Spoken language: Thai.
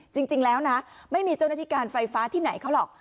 จริงแล้วนะไม่มีเจ้าหน้าที่การไฟฟ้าที่ไหนเขาหรอก